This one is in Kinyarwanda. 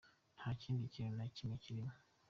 Nta kindi kintu na kimwe kirimwo.